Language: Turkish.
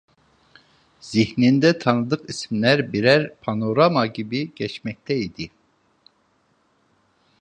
Zihninde tanıdık isimler birer panorama gibi geçmekte idi.